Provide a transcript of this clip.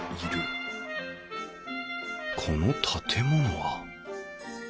この建物は？